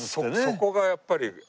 そこがやっぱりあの。